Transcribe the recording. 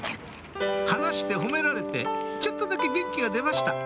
話して褒められてちょっとだけ元気が出ました